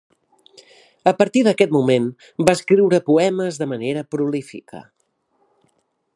A partir d’aquest moment va escriure poemes de manera prolífica.